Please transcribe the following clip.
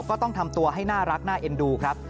ก็ต้องทำตัวให้น่ารักน่าเอ็นดูครับ